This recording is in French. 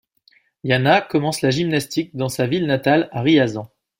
Yana commence la gymnastique dans sa ville natale, à Riazan.